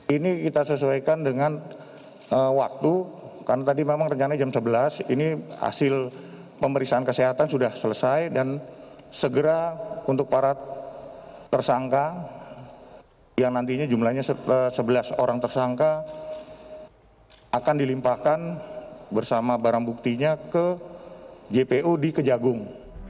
ini kita sesuaikan dengan waktu karena tadi memang rencananya jam sebelas ini hasil pemeriksaan kesehatan sudah selesai dan segera untuk para tersangka yang nantinya jumlahnya sebelas orang tersangka akan dilimpahkan bersama barang buktinya ke jpu di kejagung